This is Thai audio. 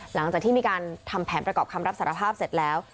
หลังจากที่มีการทำแผนประกอบคำรับสารภาพเสร็จแล้ว